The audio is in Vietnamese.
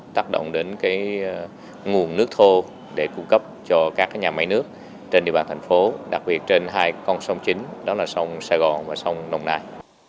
tác động đến nguồn nước thô để cung cấp cho các nhà máy nước trên địa bàn thành phố đặc biệt trên hai con sông chính đó là sông sài gòn và sông đồng nai